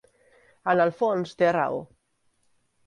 En el fons té raó.